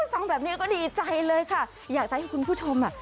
ฟังแบบนี้ก็ดีใจเลยค่ะอยากจะให้คุณผู้ชมอ่ะ